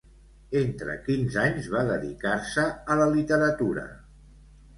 Entre quins anys va dedicar-se a la literatura?